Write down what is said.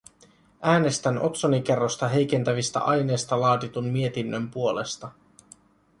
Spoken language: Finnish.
Äänestän otsonikerrosta heikentävistä aineista laaditun mietinnön puolesta.